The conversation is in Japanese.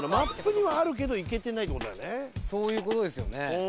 そういう事ですよね。